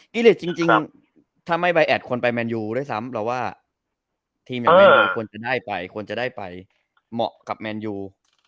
กิฤทธิ์จริงถ้าไม่ไปแอดควรไปแมนยูด้วยซ้ำเราว่าทีมแมนยูควรจะได้ไปเหมาะกับแมนยู